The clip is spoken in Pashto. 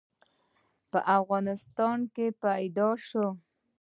په افغانستان کې به پيدا ش؟